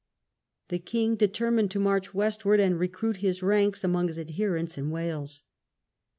The king determined to march westward and recruit his ranks among his adherents in Wales.